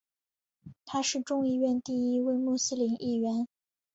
他是众议院第一位穆斯林议员。